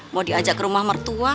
mau diajak ke rumah mertua